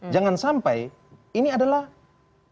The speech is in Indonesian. jangan sampai ini adalah political playing field